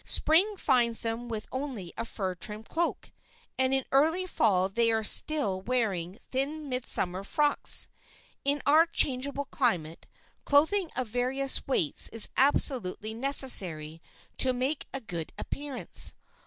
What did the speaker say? Spring finds them with only a fur trimmed cloak, and in early fall they are still wearing thin midsummer frocks. In our changeable climate, clothing of various weights is absolutely necessary to make a good appearance.